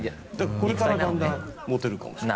これからだんだんモテるかもしれない。